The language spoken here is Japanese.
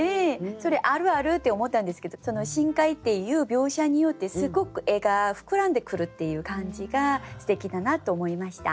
「それあるある！」って思ったんですけど「深海」っていう描写によってすごく絵が膨らんでくるっていう感じがすてきだなと思いました。